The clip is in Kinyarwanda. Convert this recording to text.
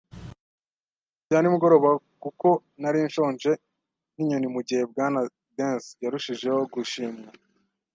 ifunguro rya nimugoroba, kuko nari nshonje nkinyoni, mugihe Bwana Dance yarushijeho gushimwa